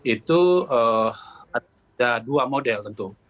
itu ada dua model tentu